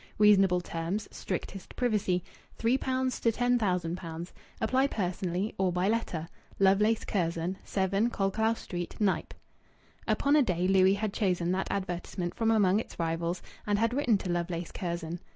Reasonable terms. Strictest privacy. £3 to £10,000. Apply personally or by letter. Lovelace Curzon, 7 Colclough Street, Knype." Upon a day Louis had chosen that advertisement from among its rivals, and had written to Lovelace Curzon.